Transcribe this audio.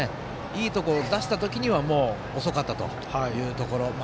いいところを出したときにはもう遅かったというところ。